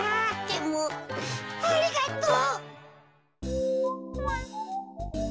でもありがと。